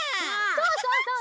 そうそうそうそう。